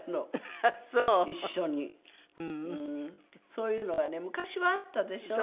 そういうのがね昔はあったでしょ？